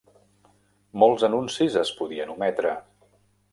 Molts anuncis es podien ometre.